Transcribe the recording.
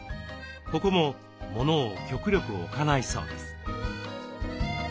ここもモノを極力置かないそうです。